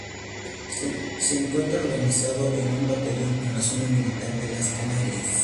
Se encuentra organizado en un Batallón en la Zona Militar de las Canarias.